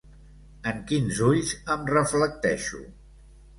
En quins ulls em reflecteixo?